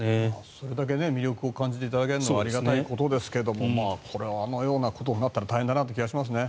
それだけ魅力を感じていただけるのはありがたいことですけどこれはあのようなことになったら大変だなという気がしますね。